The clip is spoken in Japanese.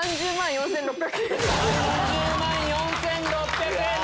３０万４６００円。